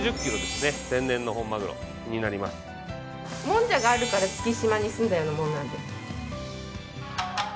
もんじゃがあるから月島に住んだようなもんなんで。